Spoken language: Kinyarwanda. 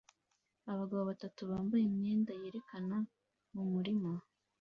Abagabo batatu bambaye imyenda yerekana mumurima